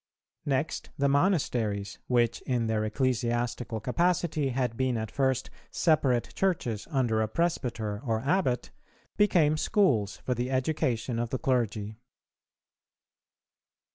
Next, the monasteries, which in their ecclesiastical capacity had been at first separate churches under a Presbyter or Abbot, became schools for the education of the clergy.